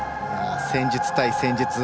戦術対戦術。